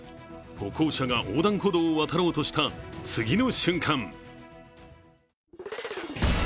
歩行者が横断歩道を渡ろうとした次の瞬間。